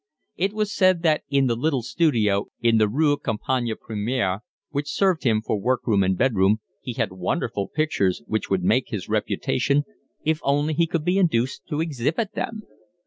It was said that in the little studio in the Rue Campagne Premiere, which served him for work room and bed room, he had wonderful pictures which would make his reputation if only he could be induced to exhibit them.